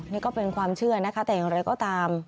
นี่ก็เป็นความเชื่อนะคะแต่อย่างไรก็ตาม